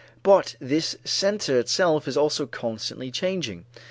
But this center itself is also constantly changing.